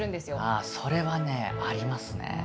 ああそれはねありますね。